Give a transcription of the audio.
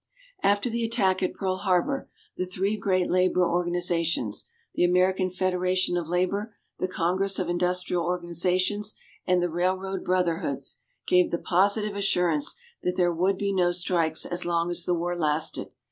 After the attack at Pearl Harbor, the three great labor organizations the American Federation of Labor, the Congress of Industrial Organizations, and the Railroad Brotherhoods gave the positive assurance that there would be no strikes as long as the war lasted.